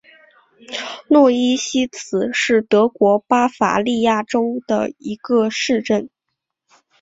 诺伊西茨是德国巴伐利亚州的一个市镇。